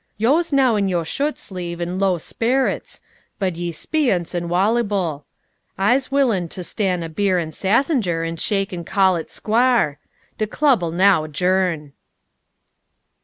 Yo's now in yo' shirt sleeves 'n' low sperrets, bud de speeyunce am wallyble. I'se willin' ter stan' a beer an' sassenger, 'n' shake 'n' call it squar'. De club'll now 'journ."